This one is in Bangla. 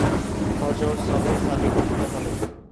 ফজর:সবহে সাদিক উদিত হলে।